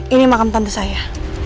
ini makam tante saya